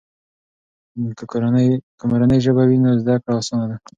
که مورنۍ ژبه وي، نو زده کړه آسانه ده.